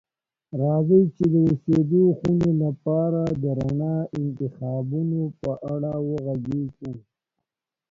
راځئ چې د اوسیدو خونې لپاره د رڼا انتخابونو په اړه وغږیږو.